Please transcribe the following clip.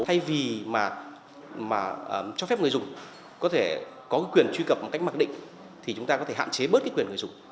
thay vì cho phép người dùng có quyền truy cập một cách mặc định thì chúng ta có thể hạn chế bớt quyền người dùng